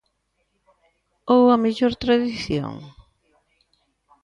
Ou a mellor tradición?